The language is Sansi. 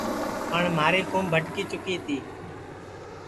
پٹؔ مہاری کُوم بھٹکی چُکی تی